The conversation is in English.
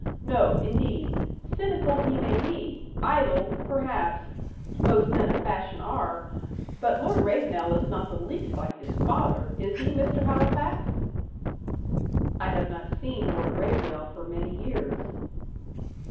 No, indeed. Cynical he may be; idle, perhaps most men of fashion are but Lord Ravenel is not the least like his father is he, Mr. Halifax?" "I have not seen Lord Ravenel for many years."